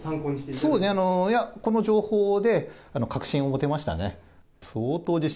そうですね、いや、この情報で、確信を持てましたね。